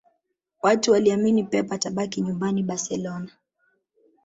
Watu waliamini Pep atabaki nyumbani Barcelona